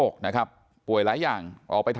ฝ่ายกรเหตุ๗๖ฝ่ายมรณภาพกันแล้ว